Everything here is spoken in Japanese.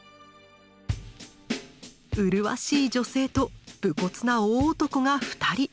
麗しい女性と武骨な大男が２人。